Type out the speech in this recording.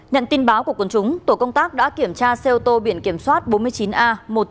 nhận tin báo của quân chúng tổ công tác đã kiểm tra xe ô tô biển kiểm soát bốn mươi chín a một mươi chín nghìn bảy mươi hai